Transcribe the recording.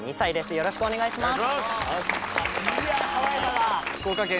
よろしくお願いします！